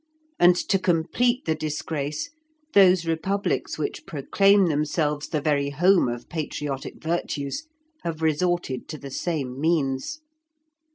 And, to complete the disgrace, those republics which proclaim themselves the very home of patriotic virtues, have resorted to the same means.